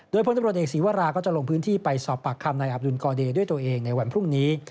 โดยพลตำรวจเอกศีวราก็จะลงพื้นที่ไปสอบปากคำนายอับดุลกอเดย์ด้วยตัวเองในวันพรุ่งนี้